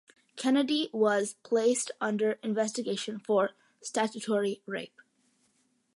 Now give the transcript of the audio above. Kennedy was placed under investigation for statutory rape.